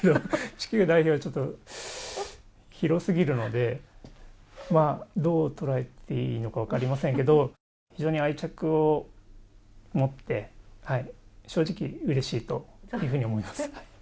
地球代表はちょっと広すぎるので、まあ、どう捉えていいのか分かりませんけど、非常に愛着を持って、正直、うれしいというふうに思います。